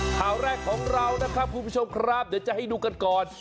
ข่าวแรกของเรานะครับคุณผู้ชมครับเดี๋ยวจะให้ดูกันก่อน